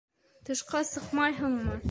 Тышҡа сыҡмайһыңмы?